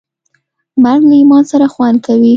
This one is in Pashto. مرګ له ایمان سره خوند کوي.